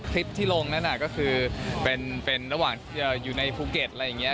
คลิปที่ลงนั่นก็คือเป็นระหว่างอยู่ในภูเก็ตอะไรอย่างนี้